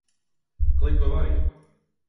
Klik Bewarje.